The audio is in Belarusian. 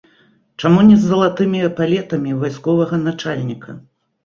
Чаму не з залатымі эпалетамі вайсковага начальніка?